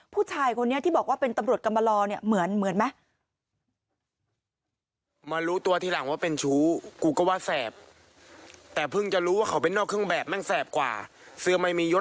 ผู้ชายคนนี้ที่บอกว่าเป็นตำรวจกรรมลอเนี่ยเหมือนไหม